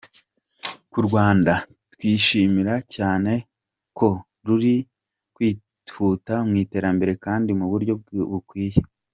Ku Rwanda, twishimira cyane ko ruri kwihuta mu iterambere kandi mu buryo bukwiye.